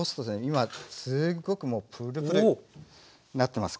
今すごくもうプルプルなってます。